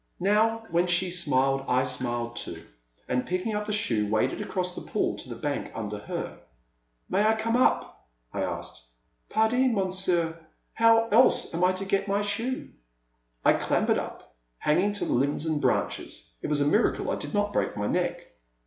Now when she smiled I smiled too, and picking up the shoe waded across the pool to the bank under her. May I come up ?I asked. Pardi, Monsieur, how else am I to get my shoe?" I clambered up, hanging to limbs and branches. It was a miracle I did not break my neck.